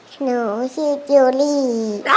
หนูชื่อจูรี่